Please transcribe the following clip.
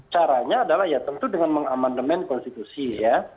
caranya adalah ya tentu dengan mengamandemen konstitusi ya